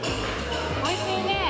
おいしいね！